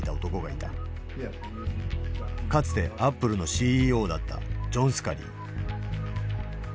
かつてアップルのＣＥＯだったジョン・スカリー。